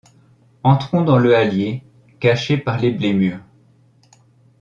Entrons dans le hallier, cachés par les blés mûrs.